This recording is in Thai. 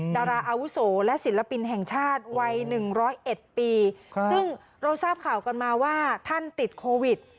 ดาราอาวุโสและศิลปินแห่งชาติวัย๑๐๑ปีซึ่งเราทราบข่าวกันมาว่าท่านติดโควิด